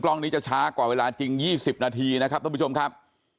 นี้จะช้ากว่าเวลาจริง๒๐นาทีนะครับท่านผู้ชมครับ